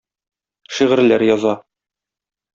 Шигырьләр яза.